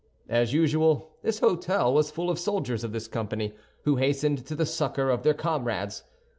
As usual, this hôtel was full of soldiers of this company, who hastened to the succor of their comrades.